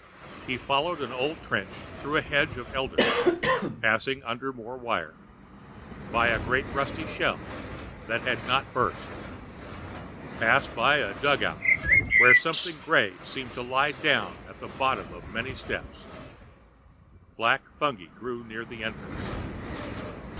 He followed an old trench through a hedge of elder, passed under more wire, by a great rusty shell that had not burst, passed by a dug out where something grey seemed to lie down at the bottom of many steps. Black fungi grew near the entrance.